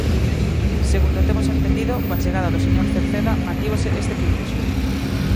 Segundo temos entendido, coa chegada do señor Cerceda mantívose este privilexio.